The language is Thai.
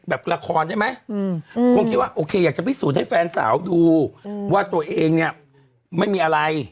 แบบละครใช่ไหมอืมคือว่าโอเคอยากจะผิดสูญให้แฟนสาวดูว่าตัวเองเนี้ยไม่มีอะไร